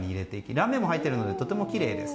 ラメも入っているのでとてもきれいです。